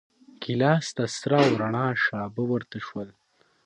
ګیلاس ته سره او راڼه شراب ورتوی شول.